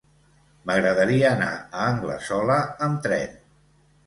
M'agradaria anar a Anglesola amb tren.